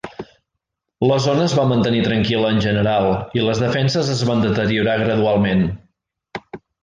La zona es va mantenir tranquil·la en general, i les defenses es van deteriorar gradualment.